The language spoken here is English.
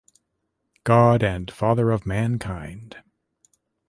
God and Father of mankind.